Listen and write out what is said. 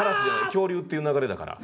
恐竜っていう流れだから。